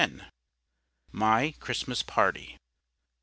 MY CHRISTMAS PARTY.